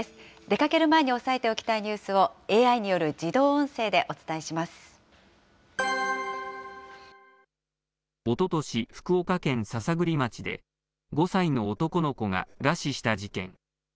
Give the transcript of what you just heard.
出かける前に押さえておきたいニュースをＡＩによる自動音声でおおととし、福岡県篠栗町で、５歳の男の子が餓死した事件。